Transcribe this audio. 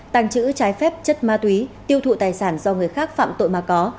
tàng trữ trái phép chất ma túy tiêu thụ tài sản do người khác phạm tội mà có